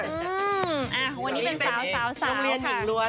อืมอ่าวันนี้เป็นสาวค่ะโรงเรียนหญิงล้วน